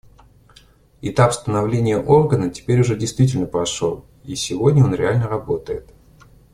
Этап становления Органа теперь уже действительно прошел, и сегодня он реально работает.